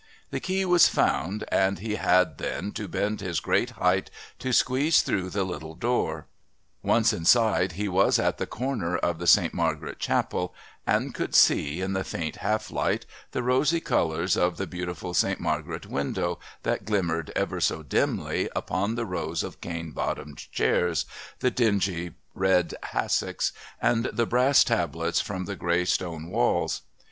The key was found, and he had then to bend his great height to squeeze through the little door. Once inside, he was at the corner of the Saint Margaret Chapel and could see, in the faint half light, the rosy colours of the beautiful Saint Margaret window that glimmered ever so dimly upon the rows of cane bottomed chairs, the dingy red hassocks, and the brass tablets upon the grey stone walls.